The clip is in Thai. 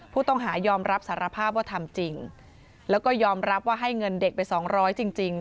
ผู้ต้องหายอมรับสารภาพว่าทำจริงแล้วก็ยอมรับว่าให้เงินเด็กไปสองร้อยจริงจริง